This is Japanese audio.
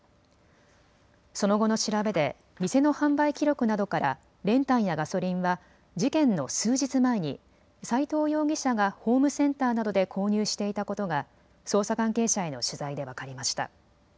その後の調べで店の販売記録などから練炭やガソリンは事件の数日前に齋藤容疑者がホームセンターなどで購入していたことが捜査関係者への取材で分かりました。